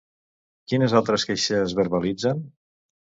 Quines altres queixes verbalitzen?